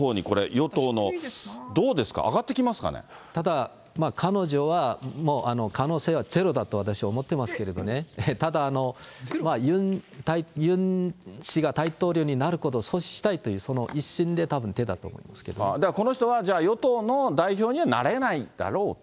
与党の、どうですか、上がってきただ、彼女はもう可能性はゼロだと私は思ってますけどね、ただ、ユン氏が大統領になることを阻止したいというその一心で、この人はじゃあ、与党の代表にはなれないだろうと。